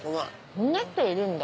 そんな人いるんだ。